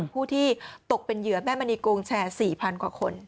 ผู้ที่ตกเป็นเหยื่อแม่มณีโกงแชร์๔๐๐กว่าคน